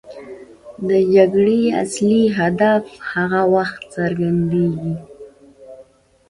د جګړې اصلي هدف هغه وخت څرګندېږي.